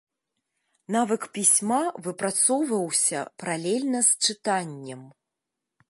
Навык пісьма выпрацоўваўся паралельна з чытаннем.